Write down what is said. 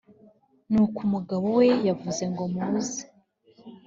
ni uko umugabo we yavuze ngo muze